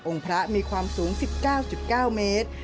พระมีความสูง๑๙๙เมตร